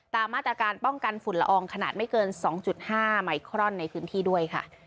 ตามมาตรการป้องกันฝุ่นละอองขนาดไม่เกิน๒๕ไมครอนในพื้นที่ด้วยค่ะ